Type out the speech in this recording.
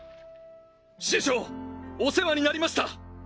師匠お世話になりました！